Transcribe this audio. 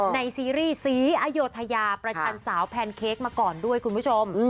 ซีรีส์ศรีอยุธยาประชันสาวแพนเค้กมาก่อนด้วยคุณผู้ชม